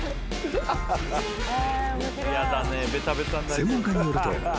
［専門家によると］